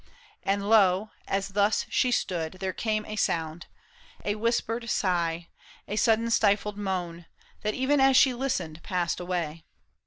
And lo ! as thus she stood, there came a sound, A whispered sigh, a sudden stifled moan, That even as she listened passed away.